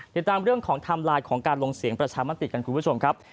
ติดตามเรื่องของไทม์ไลน์ของการลงเสียงประชามติกันคุณผู้ชมครับ